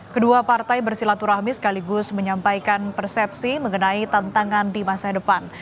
kedua partai bersilaturahmi sekaligus menyampaikan persepsi mengenai tantangan di masa depan